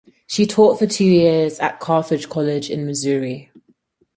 She taught for two years at Carthage College in Missouri.